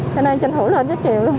cho nên tranh thủ lên với chịu